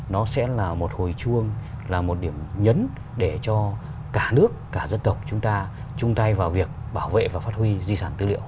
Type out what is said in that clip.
nó sẽ là một hồi chuông là một điểm nhấn để cho cả nước cả dân tộc chúng ta chung tay vào việc bảo vệ và phát huy di sản tư liệu